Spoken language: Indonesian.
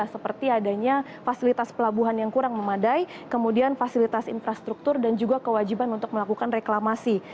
seperti adanya fasilitas pelabuhan yang kurang memadai kemudian fasilitas infrastruktur dan juga kewajiban untuk melakukan reklamasi